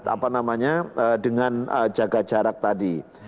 apa namanya dengan jaga jarak tadi